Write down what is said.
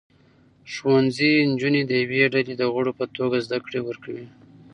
ښوونځي نجونې د یوې ډلې د غړو په توګه زده کړې ورکوي.